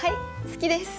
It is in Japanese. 好きです！